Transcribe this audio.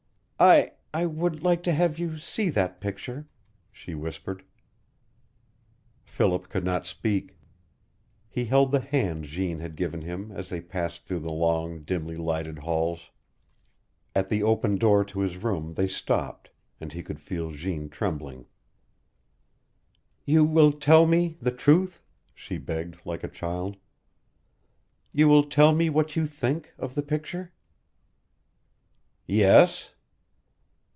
"I I would like to have you see that picture," she whispered. Philip could not speak. He held the hand Jeanne had given him as they passed through the long, dimly lighted halls. At the open door to his room they stopped, and he could feel Jeanne trembling. "You will tell me the truth?" she begged, like a child. "You will tell me what you think of the picture?" "Yes."